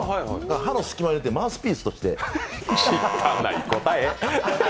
歯の隙間に入れてマウスピースとして。